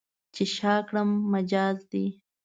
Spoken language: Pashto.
چې شا کړم، مجاز دی.